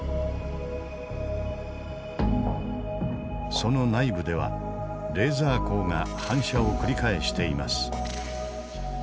その内部ではレーザー光が反射を繰り返しています。